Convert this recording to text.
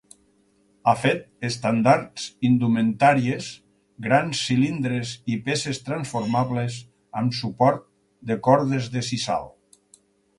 Ha fet estendards, indumentàries, grans cilindres i peces transformables, amb suport de cordes de sisal.